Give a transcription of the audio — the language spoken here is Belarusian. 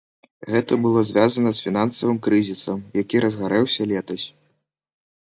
Гэта было звязана з фінансавым крызісам, які разгарэўся летась.